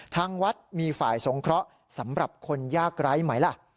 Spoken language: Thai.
ทางวัดมีฝ่ายสงเคราะห์สำหรับคนยากไร้ไหมล่ะ